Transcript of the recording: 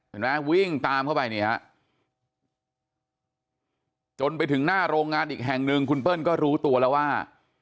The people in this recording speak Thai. เห็นไหมวิ่งตามเข้าไปนี่ฮะจนไปถึงหน้าโรงงานอีกแห่งหนึ่งคุณเปิ้ลก็รู้ตัวแล้วว่า